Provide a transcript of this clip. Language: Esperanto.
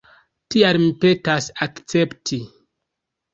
Tial mi petas akcepti.